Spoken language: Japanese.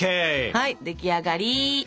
はい出来上がり。